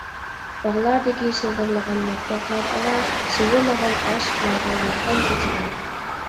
باغلاردىكى شىلدىرلىغان ياپراقلار ئارا، شىۋىرلىغان ئاشىقلارغا ياققان كېچىلەر.